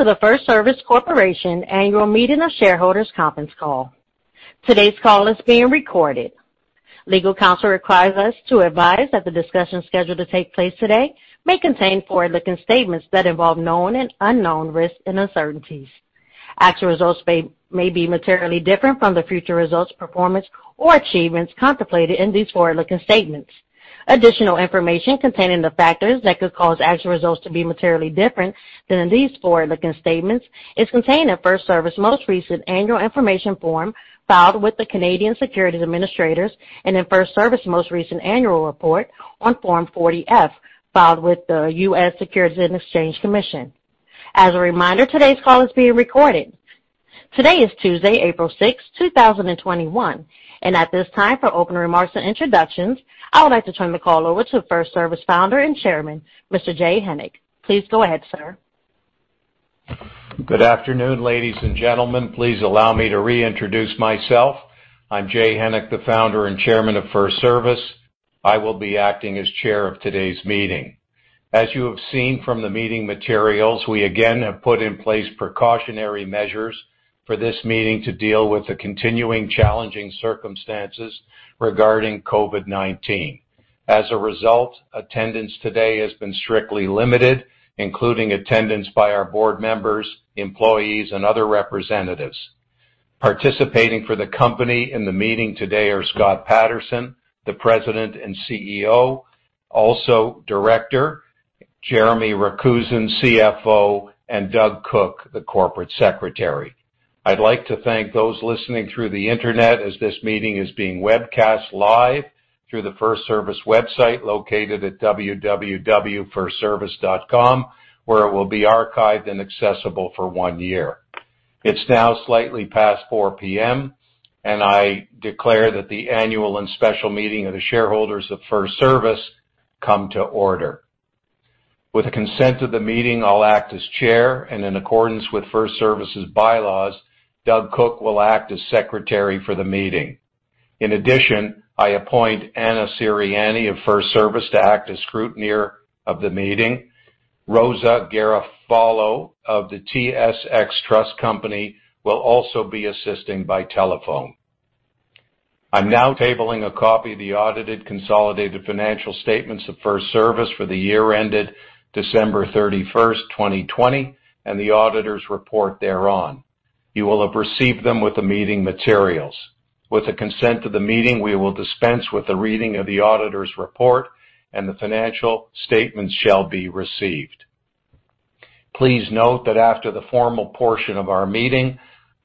Welcome to the FirstService Corporation Annual Meeting of Shareholders Conference Call. Today's call is being recorded. Legal counsel requires us to advise that the discussion scheduled to take place today may contain forward-looking statements that involve known and unknown risks and uncertainties. Actual results may be materially different from the future results, performance, or achievements contemplated in these forward-looking statements. Additional information containing the factors that could cause actual results to be materially different than in these forward-looking statements is contained in FirstService's most recent Annual Information Form, filed with the Canadian Securities Administrators, and in FirstService's most recent annual report on Form 40-F, filed with the US Securities and Exchange Commission. As a reminder, today's call is being recorded. Today is Tuesday, April 6th, 2021, and at this time, for opening remarks and introductions, I would like to turn the call over to FirstService Founder and Chairman, Mr. Jay Hennick. Please go ahead, sir. Good afternoon, ladies and gentlemen. Please allow me to reintroduce myself. I'm Jay Hennick, the founder and chairman of FirstService. I will be acting as chair of today's meeting. As you have seen from the meeting materials, we again have put in place precautionary measures for this meeting to deal with the continuing challenging circumstances regarding COVID-19. As a result, attendance today has been strictly limited, including attendance by our board members, employees, and other representatives. Participating for the company in the meeting today are Scott Patterson, the President and CEO, also director, Jeremy Rakusin, CFO, and Doug Cooke, the Corporate Secretary. I'd like to thank those listening through the internet as this meeting is being webcast live through the FirstService website located at www.firstservice.com, where it will be archived and accessible for one year. It's now slightly past 4:00 P.M., and I declare that the annual and special meeting of the shareholders of FirstService come to order. With the consent of the meeting, I'll act as chair, and in accordance with FirstService's bylaws, Doug Cooke will act as secretary for the meeting. In addition, I appoint Anna Sirianni of FirstService to act as scrutineer of the meeting. Rosa Garofalo of the TSX Trust Company will also be assisting by telephone. I'm now tabling a copy of the audited consolidated financial statements of FirstService for the year ended December 31, 2020, and the auditor's report thereon. You will have received them with the meeting materials. With the consent of the meeting, we will dispense with the reading of the auditor's report, and the financial statements shall be received. Please note that after the formal portion of our meeting,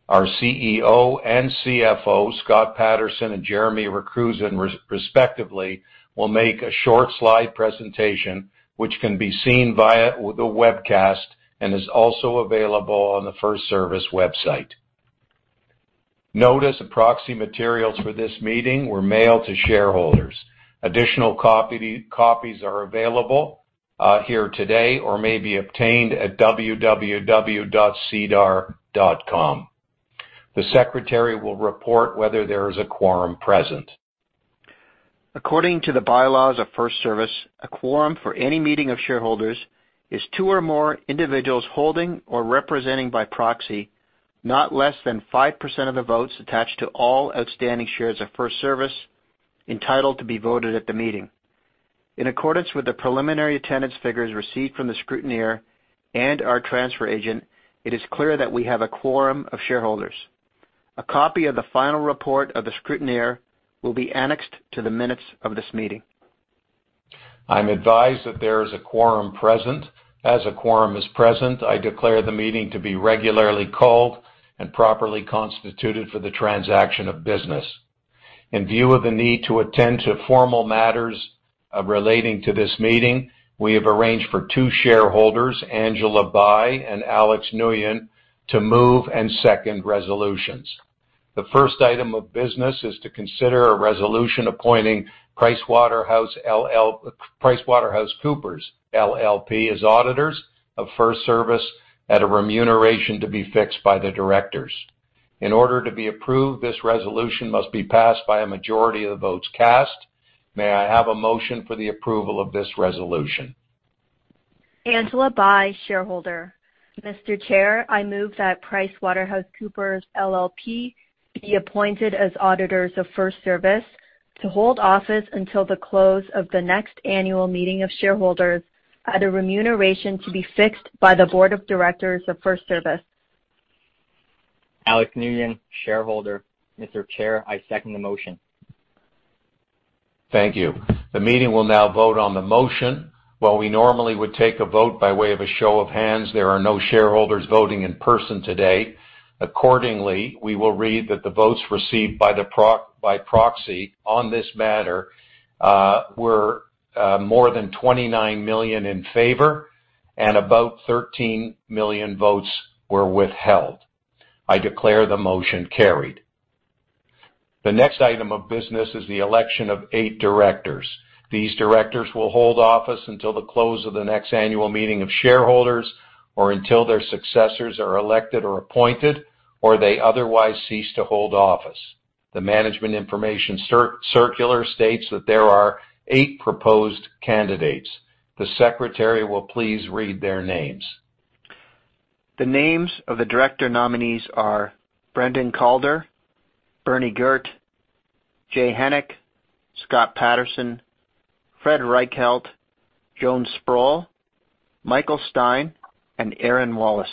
our CEO and CFO, Scott Patterson and Jeremy Rakusin, respectively, will make a short slide presentation, which can be seen via the webcast and is also available on the FirstService website. Notice of proxy materials for this meeting were mailed to shareholders. Additional copies are available here today or may be obtained at www.sedar.com. The secretary will report whether there is a quorum present. According to the bylaws of FirstService, a quorum for any meeting of shareholders is two or more individuals holding or representing by proxy, not less than 5% of the votes attached to all outstanding shares of FirstService, entitled to be voted at the meeting. In accordance with the preliminary attendance figures received from the scrutineer and our transfer agent, it is clear that we have a quorum of shareholders. A copy of the final report of the scrutineer will be annexed to the minutes of this meeting. I'm advised that there is a quorum present. As a quorum is present, I declare the meeting to be regularly called and properly constituted for the transaction of business. In view of the need to attend to formal matters relating to this meeting, we have arranged for two shareholders, Angela Bai and Alex Nguyen, to move and second resolutions. The first item of business is to consider a resolution appointing PricewaterhouseCoopers LLP, as auditors of FirstService at a remuneration to be fixed by the directors. In order to be approved, this resolution must be passed by a majority of the votes cast. May I have a motion for the approval of this resolution? Angela Bai, shareholder. Mr. Chair, I move that PricewaterhouseCoopers LLP be appointed as auditors of FirstService to hold office until the close of the next annual meeting of shareholders at a remuneration to be fixed by the board of directors of FirstService. Alex Nguyen, shareholder. Mr. Chair, I second the motion. Thank you. The meeting will now vote on the motion. While we normally would take a vote by way of a show of hands, there are no shareholders voting in person today. Accordingly, we will read that the votes received by proxy on this matter were more than 29 million in favor and about 13 million votes were withheld. I declare the motion carried. The next item of business is the election of 8 directors. These directors will hold office until the close of the next annual meeting of shareholders or until their successors are elected or appointed, or they otherwise cease to hold office.... The Management Information Circular states that there are 8 proposed candidates. The secretary will please read their names. The names of the director nominees are Brendan Calder, Bernard Ghert, Jay Hennick, Scott Patterson, Frederick Reichheld, Joan Sproul, Michael Stein, and Erin Wallace.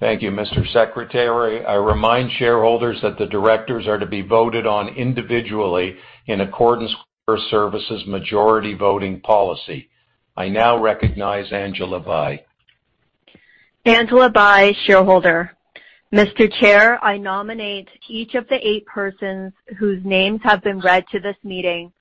Thank you, Mr. Secretary. I remind shareholders that the directors are to be voted on individually in accordance with FirstService's majority voting policy. I now recognize Angela Bai. Angela Bai, shareholder. Mr. Chair, I nominate each of the eight persons whose names have been read to this meeting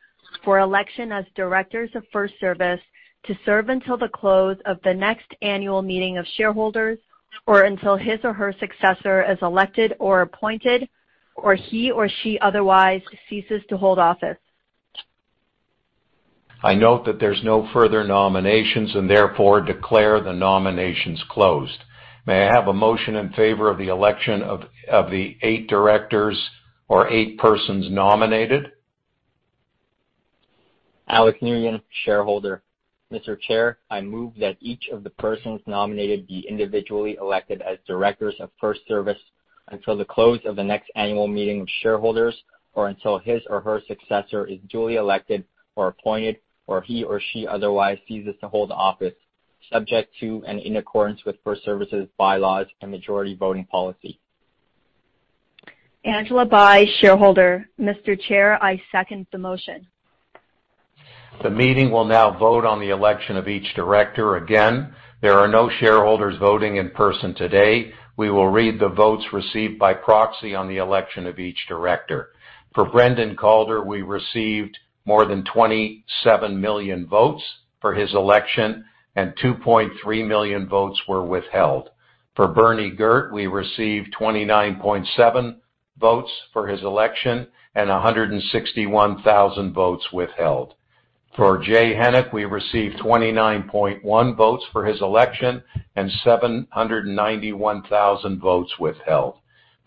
for election as directors of FirstService, to serve until the close of the next annual meeting of shareholders or until his or her successor is elected or appointed, or he or she otherwise ceases to hold office. I note that there's no further nominations, and therefore declare the nominations closed. May I have a motion in favor of the election of the eight directors or eight persons nominated? Alex Nguyen, shareholder. Mr. Chair, I move that each of the persons nominated be individually elected as directors of FirstService until the close of the next annual meeting of shareholders, or until his or her successor is duly elected or appointed, or he or she otherwise ceases to hold office, subject to and in accordance with FirstService's bylaws and majority voting policy. Angela Bai, shareholder. Mr. Chair, I second the motion. The meeting will now vote on the election of each director. Again, there are no shareholders voting in person today. We will read the votes received by proxy on the election of each director. For Brendan Calder, we received more than 27 million votes for his election, and 2.3 million votes were withheld. For Bernie Ghert, we received 29.7 million votes for his election and 161 votes withheld. For Jay Hennick, we received 29.1 million votes for his election and 791,000 votes withheld.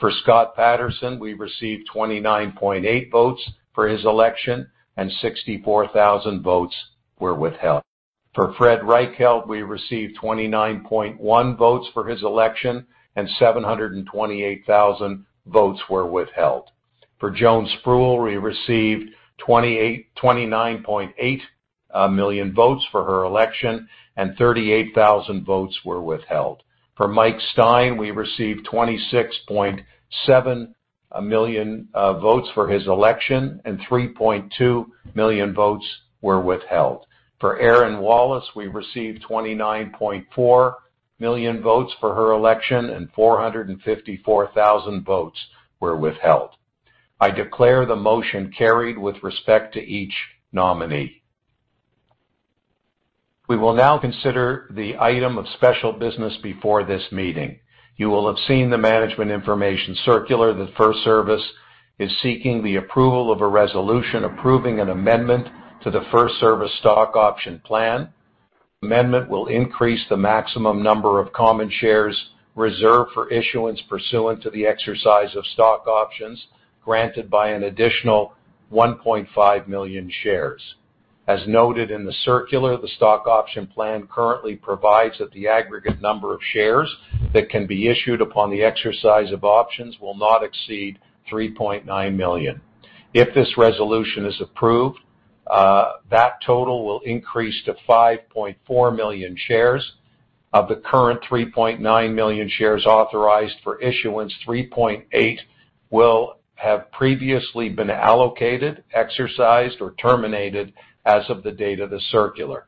For Scott Patterson, we received 29.8 million votes for his election, and 64,000 votes were withheld. For Fred Reichheld, we received 29.1 million votes for his election, and 728,000 votes were withheld. For Joan Sproul, we received 29.8 million votes for her election, and 38,000 votes were withheld. For Mike Stein, we received 26.7 million votes for his election, and 3.2 million votes were withheld. For Erin Wallace, we received 29.4 million votes for her election, and 454,000 votes were withheld. I declare the motion carried with respect to each nominee. We will now consider the item of special business before this meeting. You will have seen the Management Information Circular that FirstService is seeking the approval of a resolution approving an amendment to the FirstService Stock Option Plan. Amendment will increase the maximum number of common shares reserved for issuance pursuant to the exercise of stock options, granted by an additional 1.5 million shares. As noted in the circular, the stock option plan currently provides that the aggregate number of shares that can be issued upon the exercise of options will not exceed 3.9 million. If this resolution is approved, that total will increase to 5.4 million shares. Of the current 3.9 million shares authorized for issuance, 3.8 will have previously been allocated, exercised, or terminated as of the date of the circular.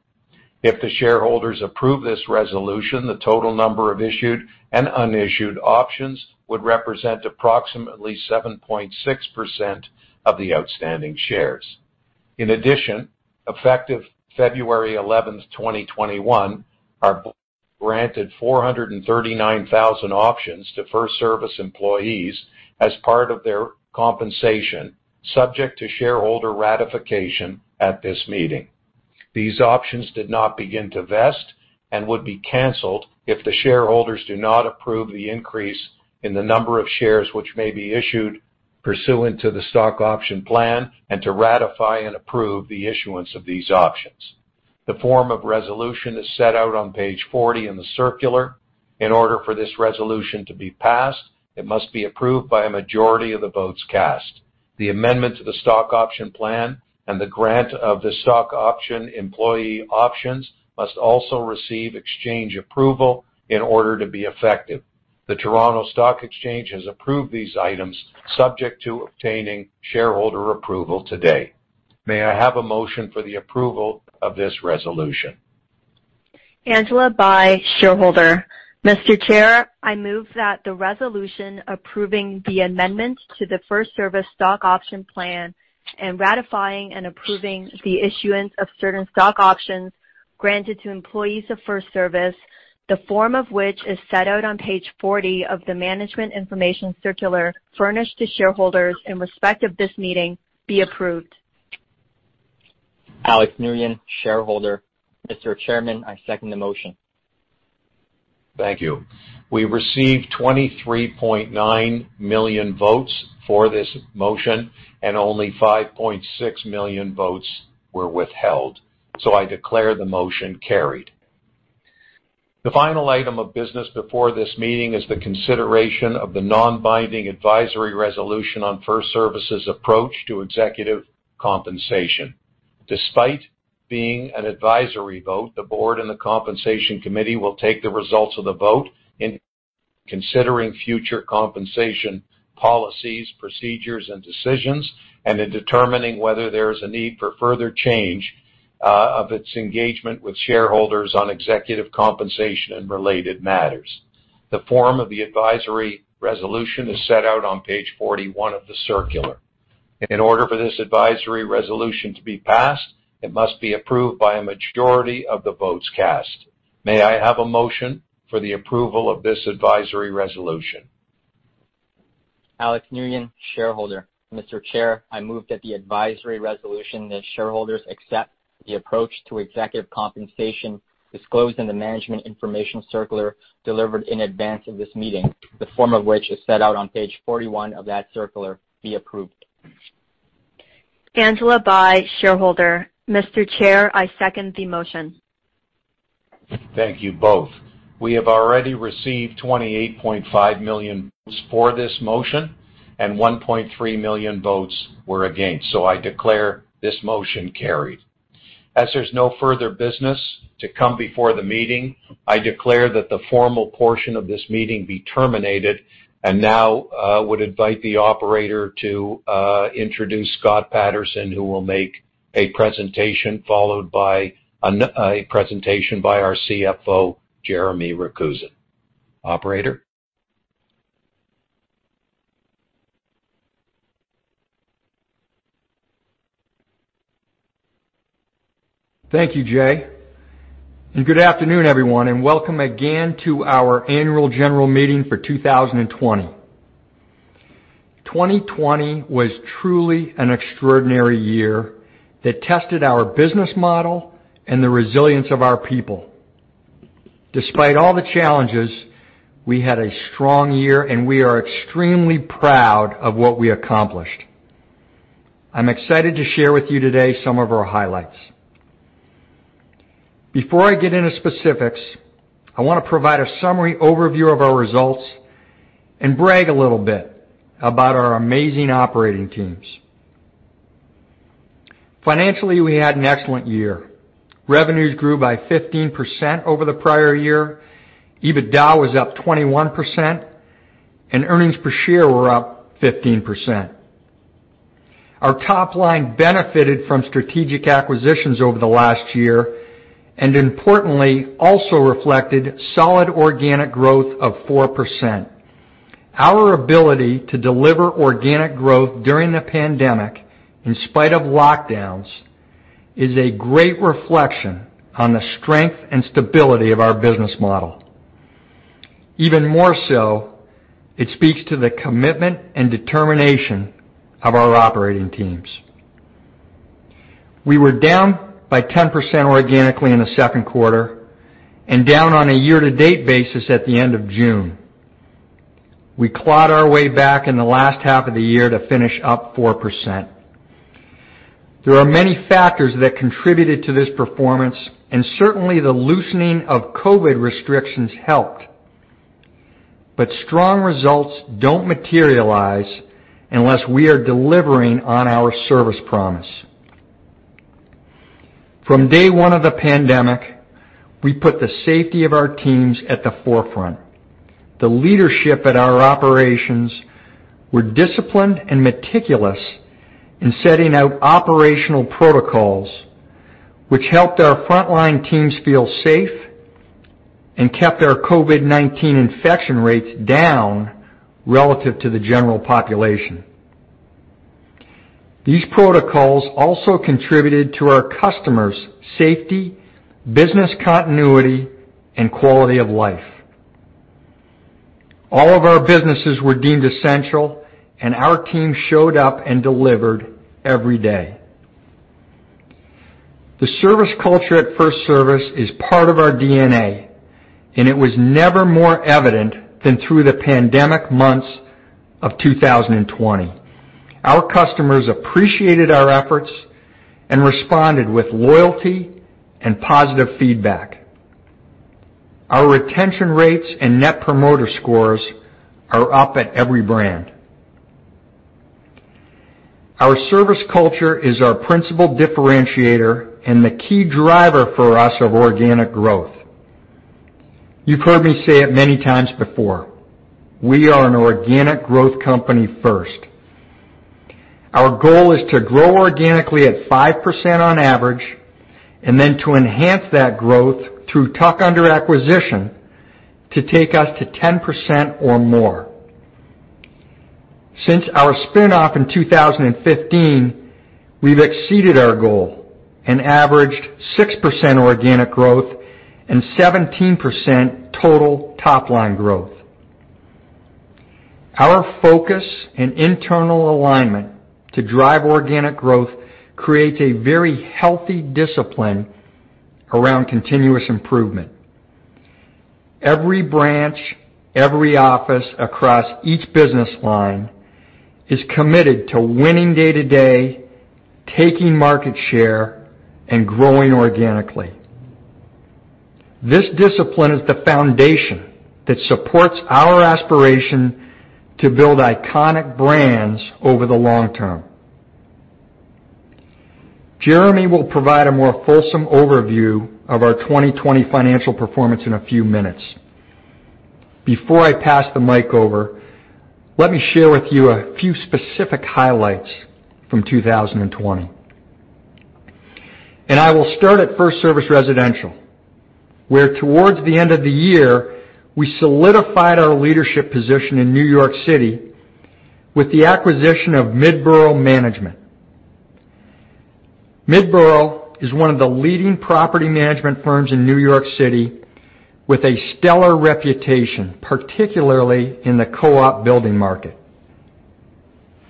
If the shareholders approve this resolution, the total number of issued and unissued options would represent approximately 7.6% of the outstanding shares. In addition, effective February 11, 2021, are granted 439,000 options to FirstService employees as part of their compensation, subject to shareholder ratification at this meeting. These options did not begin to vest and would be canceled if the shareholders do not approve the increase in the number of shares which may be issued pursuant to the Stock Option Plan, and to ratify and approve the issuance of these options. The form of resolution is set out on page 40 in the circular. In order for this resolution to be passed, it must be approved by a majority of the votes cast. The amendment to the Stock Option Plan and the grant of the stock option employee options must also receive exchange approval in order to be effective. The Toronto Stock Exchange has approved these items, subject to obtaining shareholder approval today. May I have a motion for the approval of this resolution? Angela Bai, shareholder. Mr. Chair, I move that the resolution approving the amendment to the FirstService Stock Option Plan and ratifying and approving the issuance of certain stock options granted to employees of FirstService, the form of which is set out on page 40 of the Management Information Circular, furnished to shareholders in respect of this meeting, be approved.... Alex Nguyen, shareholder. Mr. Chairman, I second the motion. Thank you. We received 23.9 million votes for this motion, and only 5.6 million votes were withheld, so I declare the motion carried. The final item of business before this meeting is the consideration of the non-binding advisory resolution on FirstService's approach to executive compensation. Despite being an advisory vote, the board and the Compensation Committee will take the results of the vote in considering future compensation, policies, procedures, and decisions, and in determining whether there is a need for further change of its engagement with shareholders on executive compensation and related matters. The form of the advisory resolution is set out on page 41 of the circular. In order for this advisory resolution to be passed, it must be approved by a majority of the votes cast. May I have a motion for the approval of this advisory resolution? Alex Nguyen, shareholder. Mr. Chair, I move that the advisory resolution that shareholders accept the approach to executive compensation disclosed in the Management Information Circular, delivered in advance of this meeting, the form of which is set out on page 41 of that circular, be approved. Angela Bai, shareholder. Mr. Chair, I second the motion. Thank you both. We have already received 28.5 million votes for this motion, and 1.3 million votes were against, so I declare this motion carried. As there's no further business to come before the meeting, I declare that the formal portion of this meeting be terminated, and now would invite the operator to introduce Scott Patterson, who will make a presentation, followed by a presentation by our CFO, Jeremy Rakusin. Operator? Thank you, Jay, and good afternoon, everyone, and welcome again to our annual general meeting for 2020. 2020 was truly an extraordinary year that tested our business model and the resilience of our people. Despite all the challenges, we had a strong year, and we are extremely proud of what we accomplished. I'm excited to share with you today some of our highlights. Before I get into specifics, I want to provide a summary overview of our results and brag a little bit about our amazing operating teams. Financially, we had an excellent year. Revenues grew by 15% over the prior year, EBITDA was up 21%, and earnings per share were up 15%. Our top line benefited from strategic acquisitions over the last year, and importantly, also reflected solid organic growth of 4%. Our ability to deliver organic growth during the pandemic, in spite of lockdowns, is a great reflection on the strength and stability of our business model. Even more so, it speaks to the commitment and determination of our operating teams. We were down by 10% organically in the second quarter and down on a year-to-date basis at the end of June. We clawed our way back in the last half of the year to finish up 4%. There are many factors that contributed to this performance, and certainly, the loosening of COVID restrictions helped. But strong results don't materialize unless we are delivering on our service promise. From day one of the pandemic, we put the safety of our teams at the forefront. The leadership at our operations were disciplined and meticulous in setting out operational protocols, which helped our frontline teams feel safe and kept our COVID-19 infection rates down relative to the general population. These protocols also contributed to our customers' safety, business continuity, and quality of life. All of our businesses were deemed essential, and our team showed up and delivered every day. The service culture at FirstService is part of our DNA, and it was never more evident than through the pandemic months of 2020. Our customers appreciated our efforts and responded with loyalty and positive feedback. Our retention rates and Net Promoter Scores are up at every brand. Our service culture is our principal differentiator and the key driver for us of organic growth. You've heard me say it many times before: We are an organic growth company first. Our goal is to grow organically at 5% on average, and then to enhance that growth through tuck-under acquisition to take us to 10% or more. Since our spin-off in 2015, we've exceeded our goal and averaged 6% organic growth and 17% total top-line growth.... Our focus and internal alignment to drive organic growth creates a very healthy discipline around continuous improvement. Every branch, every office across each business line is committed to winning day-to-day, taking market share, and growing organically. This discipline is the foundation that supports our aspiration to build iconic brands over the long term. Jeremy will provide a more fulsome overview of our 2020 financial performance in a few minutes. Before I pass the mic over, let me share with you a few specific highlights from 2020. I will start at FirstService Residential, where toward the end of the year, we solidified our leadership position in New York City with the acquisition of Midboro Management. Midboro is one of the leading property management firms in New York City with a stellar reputation, particularly in the co-op building market.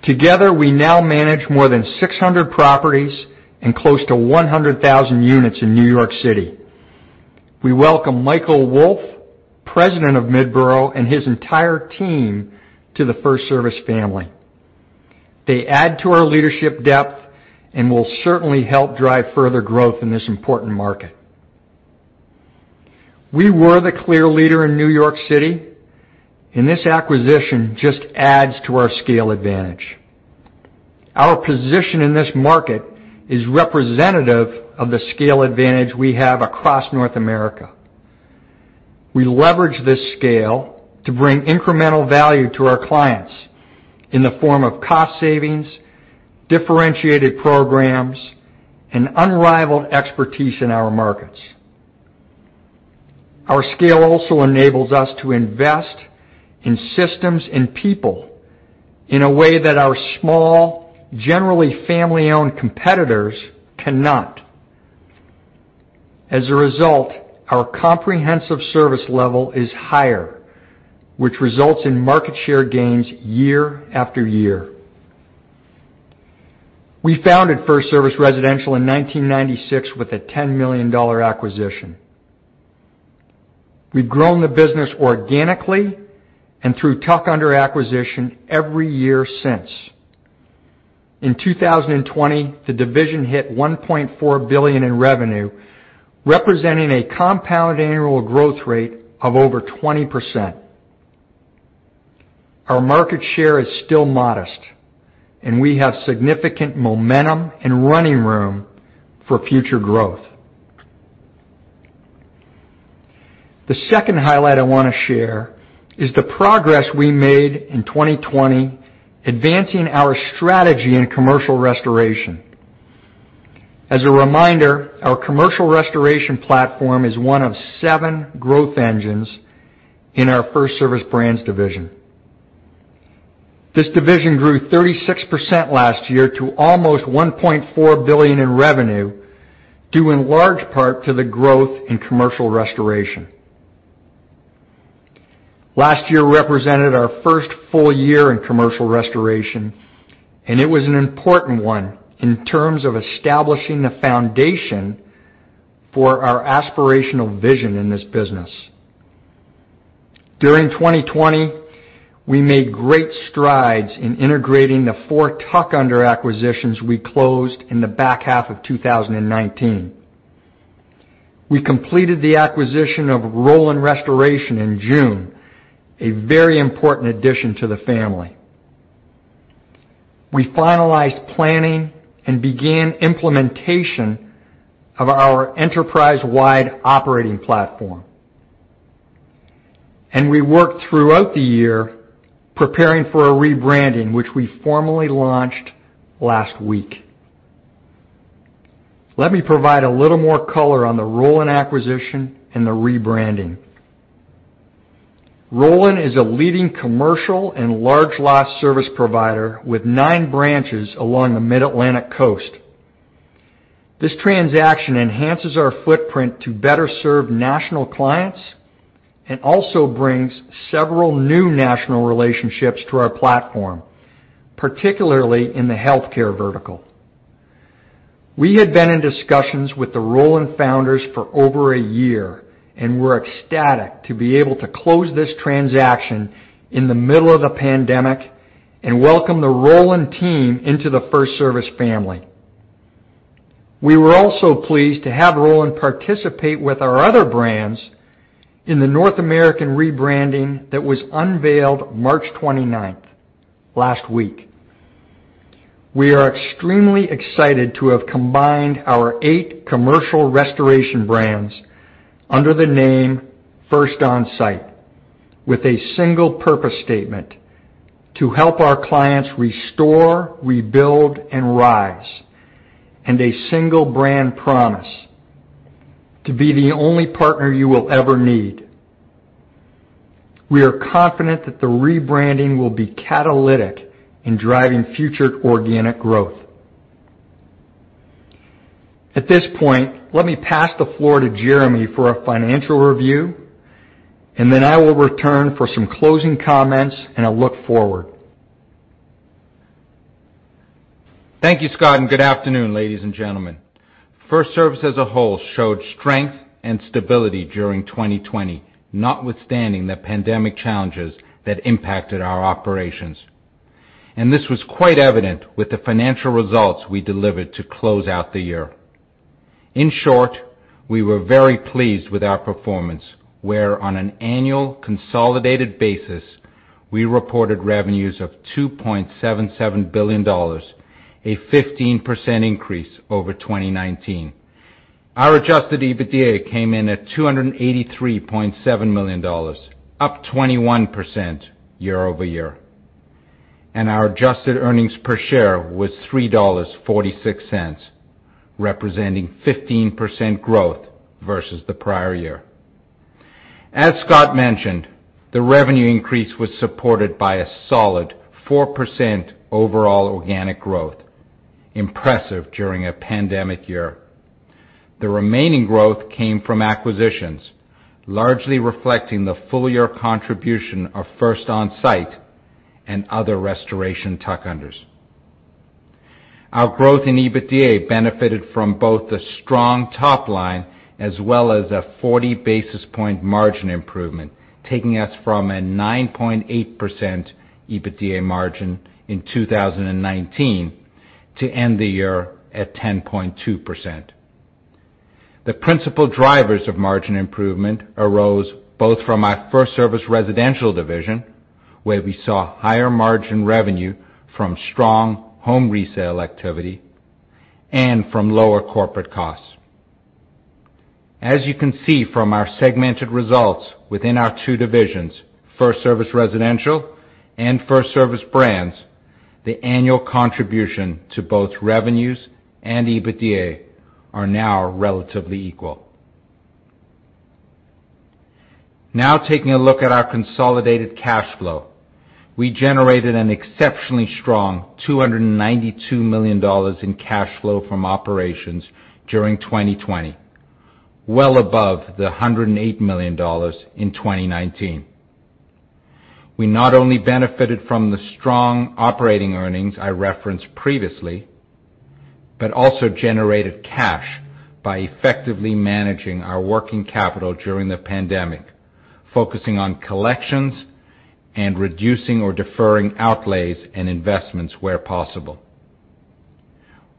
Together, we now manage more than 600 properties and close to 100,000 units in New York City. We welcome Michael Wolfe, President of Midboro, and his entire team to the FirstService family. They add to our leadership depth and will certainly help drive further growth in this important market. We were the clear leader in New York City, and this acquisition just adds to our scale advantage. Our position in this market is representative of the scale advantage we have across North America. We leverage this scale to bring incremental value to our clients in the form of cost savings, differentiated programs, and unrivaled expertise in our markets. Our scale also enables us to invest in systems and people in a way that our small, generally family-owned competitors cannot. As a result, our comprehensive service level is higher, which results in market share gains year after year. We founded FirstService Residential in 1996 with a $10 million acquisition. We've grown the business organically and through tuck-under acquisition every year since. In 2020, the division hit $1.4 billion in revenue, representing a compound annual growth rate of over 20%. Our market share is still modest, and we have significant momentum and running room for future growth. The second highlight I want to share is the progress we made in 2020 advancing our strategy in commercial restoration. As a reminder, our commercial restoration platform is one of seven growth engines in our FirstService Brands division. This division grew 36% last year to almost $1.4 billion in revenue, due in large part to the growth in commercial restoration. Last year represented our first full year in commercial restoration, and it was an important one in terms of establishing the foundation for our aspirational vision in this business. During 2020, we made great strides in integrating the four tuck-under acquisitions we closed in the back half of 2019. We completed the acquisition of Rolyn in June, a very important addition to the family. We finalized planning and began implementation of our enterprise-wide operating platform, and we worked throughout the year preparing for a rebranding, which we formally launched last week. Let me provide a little more color on the Rolyn acquisition and the rebranding. Rolyn is a leading commercial and large loss service provider with nine branches along the Mid-Atlantic coast. This transaction enhances our footprint to better serve national clients and also brings several new national relationships to our platform, particularly in the healthcare vertical. We had been in discussions with the Rolyn Founders for over a year and were ecstatic to be able to close this transaction in the middle of the pandemic and welcome the Rolyn team into the FirstService family. We were also pleased to have Rolyn participate with our other brands in the North American rebranding that was unveiled March 29, last week. We are extremely excited to have combined our eight commercial restoration brands under the name First Onsite, with a single purpose statement: to help our clients restore, rebuild, and rise, and a single brand promise: to be the only partner you will ever need. We are confident that the rebranding will be catalytic in driving future organic growth... At this point, let me pass the floor to Jeremy for a financial review, and then I will return for some closing comments and a look forward. Thank you, Scott, and good afternoon, ladies and gentlemen. FirstService as a whole showed strength and stability during 2020, notwithstanding the pandemic challenges that impacted our operations. This was quite evident with the financial results we delivered to close out the year. In short, we were very pleased with our performance, where on an annual consolidated basis, we reported revenues of $2.77 billion, a 15% increase over 2019. Our Adjusted EBITDA came in at $283.7 million, up 21% year-over-year, and our adjusted earnings per share was $3.46, representing 15% growth versus the prior year. As Scott mentioned, the revenue increase was supported by a solid 4% overall organic growth, impressive during a pandemic year. The remaining growth came from acquisitions, largely reflecting the full year contribution of First Onsite and other restoration tuck-unders. Our growth in EBITDA benefited from both the strong top line as well as a 40 basis point margin improvement, taking us from a 9.8% EBITDA margin in 2019 to end the year at 10.2%. The principal drivers of margin improvement arose both from our FirstService Residential division, where we saw higher margin revenue from strong home resale activity and from lower corporate costs. As you can see from our segmented results within our two divisions, FirstService Residential and FirstService Brands, the annual contribution to both revenues and EBITDA are now relatively equal. Now, taking a look at our consolidated cash flow. We generated an exceptionally strong $292 million in cash flow from operations during 2020, well above the $108 million in 2019. We not only benefited from the strong operating earnings I referenced previously, but also generated cash by effectively managing our working capital during the pandemic, focusing on collections and reducing or deferring outlays and investments where possible.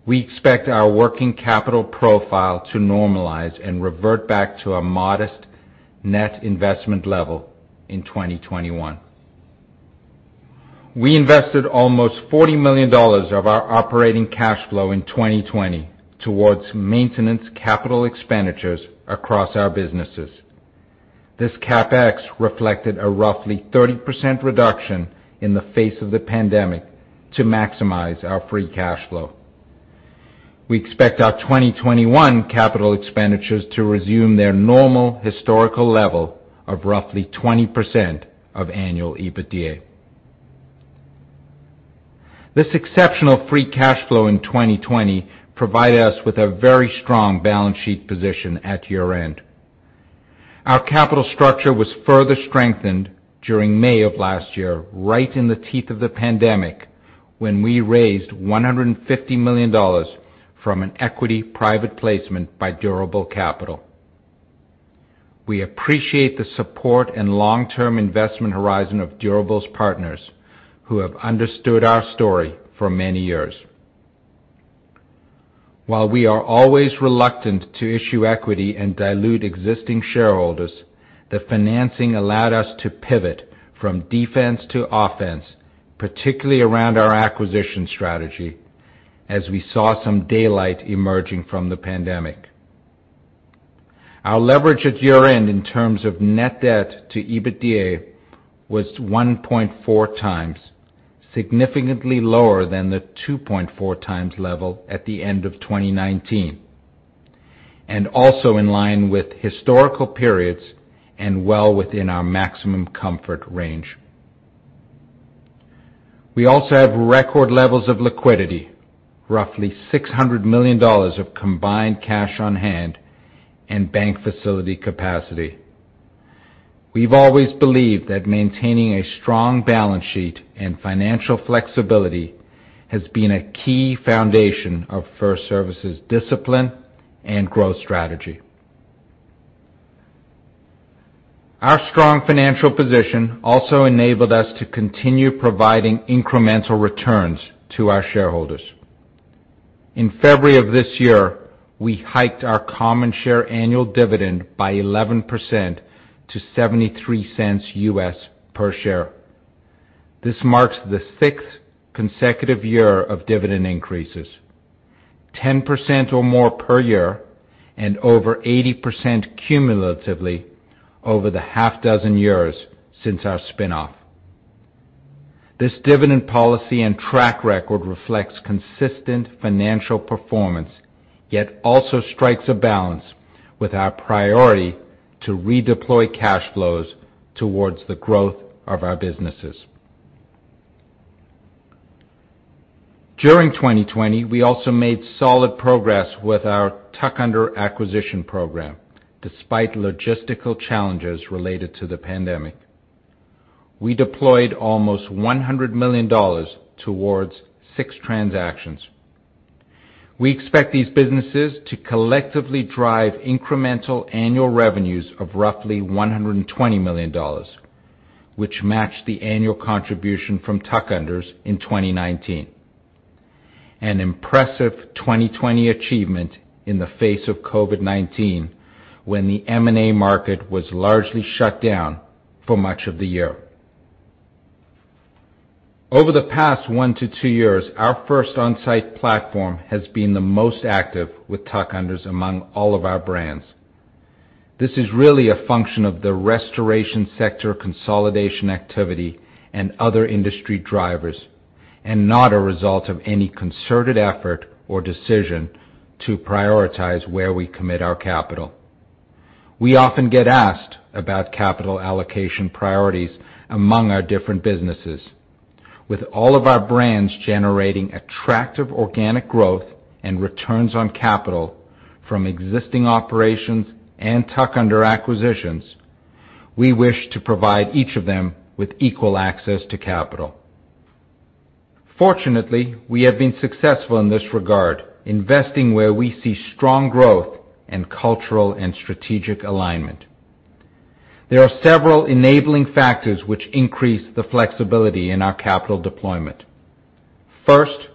We expect our working capital profile to normalize and revert back to a modest net investment level in 2021. We invested almost $40 million of our operating cash flow in 2020 towards maintenance capital expenditures across our businesses. This CapEx reflected a roughly 30% reduction in the face of the pandemic to maximize our free cash flow. We expect our 2021 capital expenditures to resume their normal historical level of roughly 20% of annual EBITDA. This exceptional free cash flow in 2020 provided us with a very strong balance sheet position at year-end. Our capital structure was further strengthened during May of last year, right in the teeth of the pandemic, when we raised $150 million from an equity private placement by Durable Capital. We appreciate the support and long-term investment horizon of Durable's partners, who have understood our story for many years. While we are always reluctant to issue equity and dilute existing shareholders, the financing allowed us to pivot from defense to offense, particularly around our acquisition strategy, as we saw some daylight emerging from the pandemic. Our leverage at year-end in terms of Net Debt to EBITDA was 1.4x, significantly lower than the 2.4x level at the end of 2019, and also in line with historical periods and well within our maximum comfort range. We also have record levels of liquidity, roughly $600 million of combined cash on hand and bank facility capacity. We've always believed that maintaining a strong balance sheet and financial flexibility has been a key foundation of FirstService's discipline and growth strategy. Our strong financial position also enabled us to continue providing incremental returns to our shareholders. In February of this year, we hiked our common share annual dividend by 11% to $0.73 per share. This marks the 6th consecutive year of dividend increases, 10% or more per year, and over 80% cumulatively over the 6 years since our spin-off. This dividend policy and track record reflects consistent financial performance, yet also strikes a balance with our priority to redeploy cash flows towards the growth of our businesses... During 2020, we also made solid progress with our tuck-under acquisition program, despite logistical challenges related to the pandemic. We deployed almost $100 million towards 6 transactions. We expect these businesses to collectively drive incremental annual revenues of roughly $120 million, which matched the annual contribution from tuck-unders in 2019. An impressive 2020 achievement in the face of COVID-19, when the M&A market was largely shut down for much of the year. Over the past 1-2 years, our First Onsite platform has been the most active with tuck-unders among all of our brands. This is really a function of the restoration sector consolidation activity and other industry drivers, and not a result of any concerted effort or decision to prioritize where we commit our capital. We often get asked about capital allocation priorities among our different businesses. With all of our brands generating attractive organic growth and returns on capital from existing operations and tuck-under acquisitions, we wish to provide each of them with equal access to capital. Fortunately, we have been successful in this regard, investing where we see strong growth and cultural and strategic alignment. There are several enabling factors which increase the flexibility in our capital deployment. First,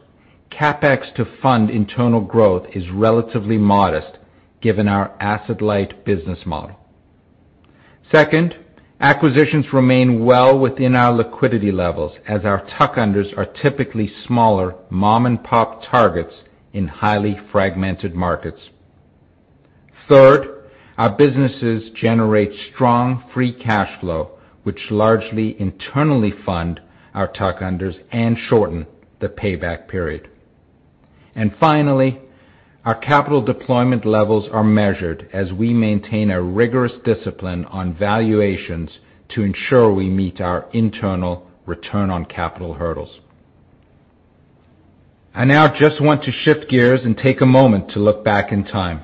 CapEx to fund internal growth is relatively modest, given our asset-light business model. Second, acquisitions remain well within our liquidity levels, as our tuck-unders are typically smaller mom-and-pop targets in highly fragmented markets. Third, our businesses generate strong free cash flow, which largely internally fund our tuck-unders and shorten the payback period. And finally, our capital deployment levels are measured as we maintain a rigorous discipline on valuations to ensure we meet our internal return on capital hurdles. I now just want to shift gears and take a moment to look back in time.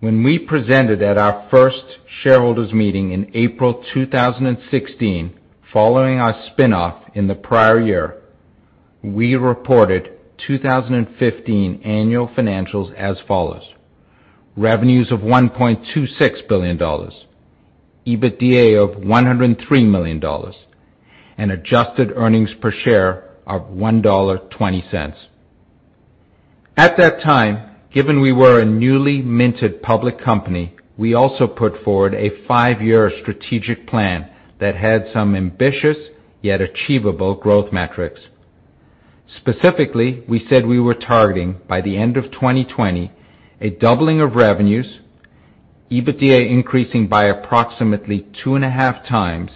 When we presented at our first shareholders meeting in April 2016, following our spin-off in the prior year, we reported 2015 annual financials as follows: revenues of $1.26 billion, EBITDA of $103 million, and Adjusted Earnings Per Share of $1.20. At that time, given we were a newly minted public company, we also put forward a five-year strategic plan that had some ambitious, yet achievable growth metrics. Specifically, we said we were targeting, by the end of 2020, a doubling of revenues, EBITDA increasing by approximately 2.5x,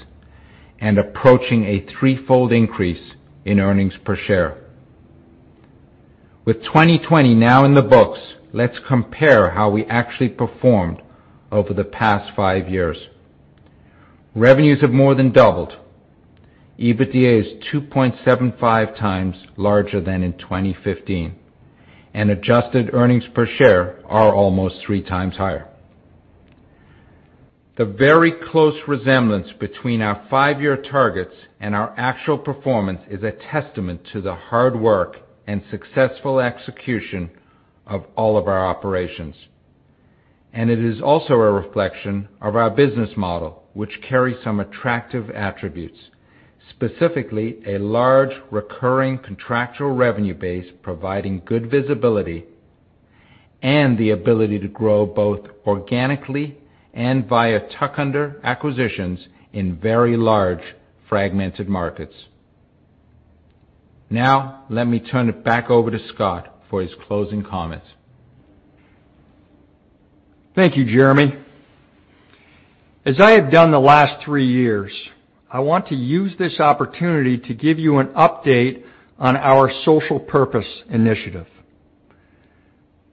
and approaching a threefold increase in earnings per share. With 2020 now in the books, let's compare how we actually performed over the past five years. Revenues have more than doubled. EBITDA is 2.75x larger than in 2015, and Adjusted Earnings Per Share are almost 3x higher. The very close resemblance between our five-year targets and our actual performance is a testament to the hard work and successful execution of all of our operations. It is also a reflection of our business model, which carries some attractive attributes, specifically a large recurring contractual revenue base, providing good visibility and the ability to grow both organically and via tuck-under acquisitions in very large, fragmented markets. Now, let me turn it back over to Scott for his closing comments. Thank you, Jeremy. As I have done the last 3 years, I want to use this opportunity to give you an update on our social purpose initiative.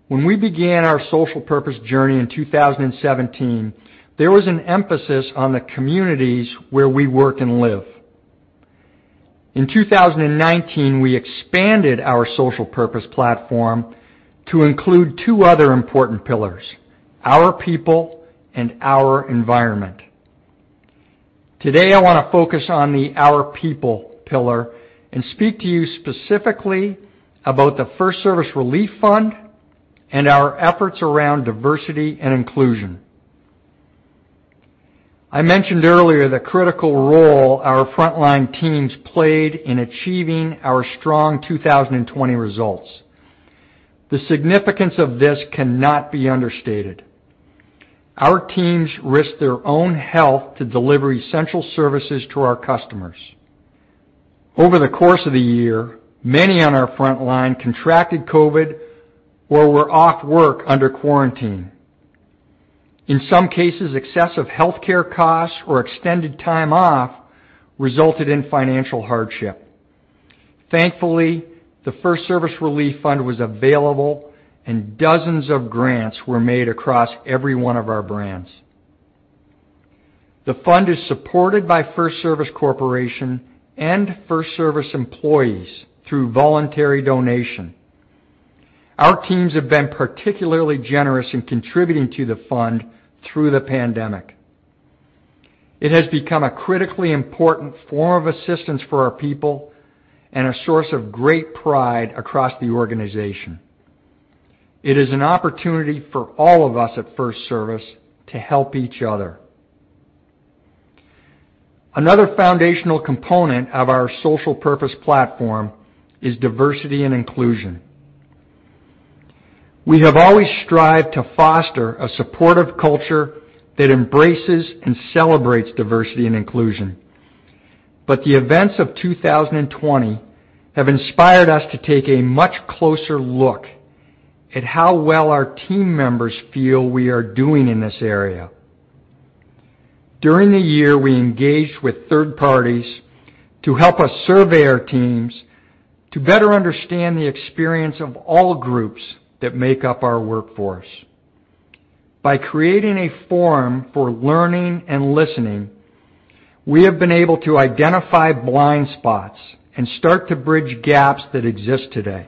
When we began our social purpose journey in 2017, there was an emphasis on the communities where we work and live. In 2019, we expanded our social purpose platform to include two other important pillars, our people and our environment. Today, I want to focus on the our people pillar and speak to you specifically about the FirstService Relief Fund and our efforts around diversity and inclusion. I mentioned earlier the critical role our frontline teams played in achieving our strong 2020 results. The significance of this cannot be understated. Our teams risked their own health to deliver essential services to our customers. Over the course of the year, many on our frontline contracted COVID or were off work under quarantine. In some cases, excessive healthcare costs or extended time off resulted in financial hardship. Thankfully, the FirstService Relief Fund was available, and dozens of grants were made across every one of our brands.... The fund is supported by FirstService Corporation and FirstService employees through voluntary donation. Our teams have been particularly generous in contributing to the fund through the pandemic. It has become a critically important form of assistance for our people and a source of great pride across the organization. It is an opportunity for all of us at FirstService to help each other. Another foundational component of our social purpose platform is diversity and inclusion. We have always strived to foster a supportive culture that embraces and celebrates diversity and inclusion, but the events of 2020 have inspired us to take a much closer look at how well our team members feel we are doing in this area. During the year, we engaged with third parties to help us survey our teams to better understand the experience of all groups that make up our workforce. By creating a forum for learning and listening, we have been able to identify blind spots and start to bridge gaps that exist today.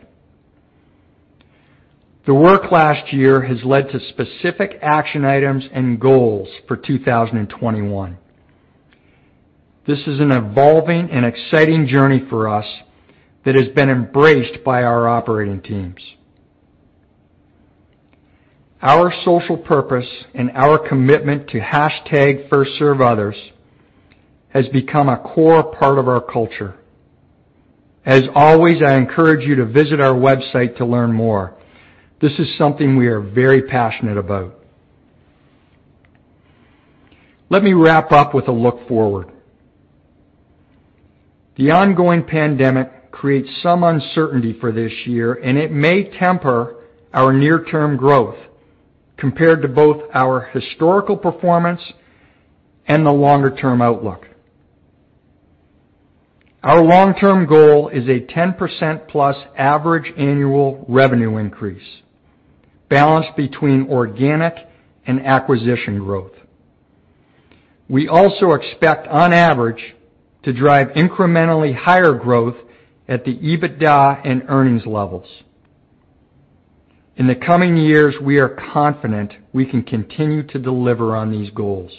The work last year has led to specific action items and goals for 2021. This is an evolving and exciting journey for us that has been embraced by our operating teams. Our social purpose and our commitment to #FirstServeOthers has become a core part of our culture. As always, I encourage you to visit our website to learn more. This is something we are very passionate about. Let me wrap up with a look forward. The ongoing pandemic creates some uncertainty for this year, and it may temper our near-term growth compared to both our historical performance and the longer-term outlook. Our long-term goal is a 10%+ average annual revenue increase, balanced between organic and acquisition growth. We also expect, on average, to drive incrementally higher growth at the EBITDA and earnings levels. In the coming years, we are confident we can continue to deliver on these goals.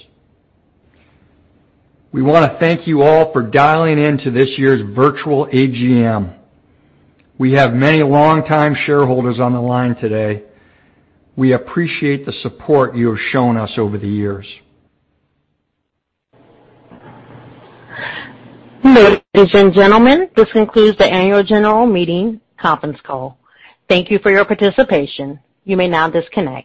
We want to thank you all for dialing in to this year's virtual AGM. We have many longtime shareholders on the line today. We appreciate the support you have shown us over the years. Ladies and gentlemen, this concludes the Annual General Meeting conference call. Thank you for your participation. You may now disconnect.